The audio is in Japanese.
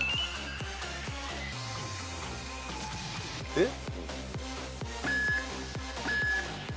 えっ？